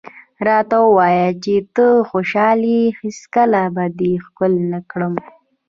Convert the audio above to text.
راته ووایه چې ته خوشحاله یې، هېڅکله به دې ښکل نه کړم.